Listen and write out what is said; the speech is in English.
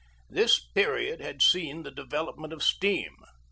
This period had seen the development of steam.